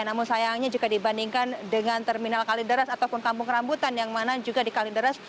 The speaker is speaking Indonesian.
namun sayangnya jika dibandingkan dengan terminal kalideres ataupun kampung rambutan yang mana juga di kalinderas